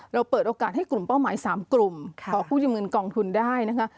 เปิดโอกาสให้กลุ่มเป้าหมาย๓กลุ่มขอกู้ยืมเงินกองทุนได้นะคะ